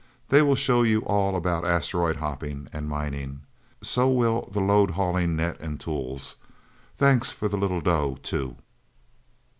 They will show you all about Asteroid hopping and mining. So will the load hauling net and tools. Thanks for the little dough, too.